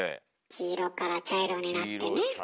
黄色から茶色になってね。